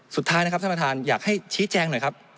สุดท้ายนะครับท่านประธานอยากให้ชี้แจงหน่อยครับ